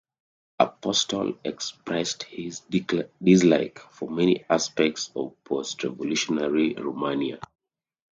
Apostol expressed his dislike for many aspects of post-revolutionary Romania.